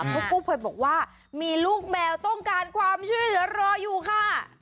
เพราะกู้ภัยบอกว่ามีลูกแมวต้องการความช่วยเหลือรออยู่ค่ะ